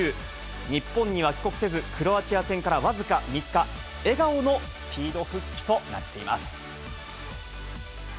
日本には帰国せず、クロアチア戦から僅か３日、笑顔のスピード復帰となっています。